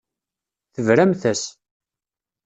Tebramt-as.